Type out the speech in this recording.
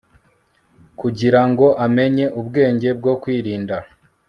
kugira ngo amenye - ubwenge bwo kwirinda